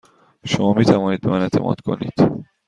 شما می توانید به من اعتماد کنید.